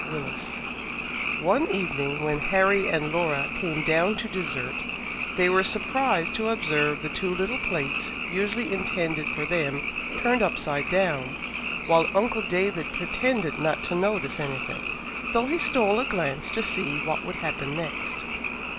Willis. One evening, when Harry and Laura came down to dessert, they were surprised to observe the two little plates usually intended for them, turned upside down, while uncle David pretended not to notice anything, though he stole a glance to see what would happen next.